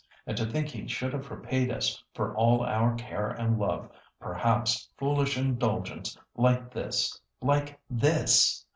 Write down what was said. And to think he should have repaid us for all our care and love, perhaps foolish indulgence, like this—like this!